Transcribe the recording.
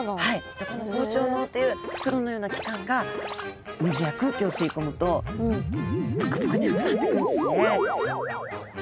でこの膨張のうという袋のような器官が水や空気を吸い込むとぷくぷくに膨らんでいくんですね。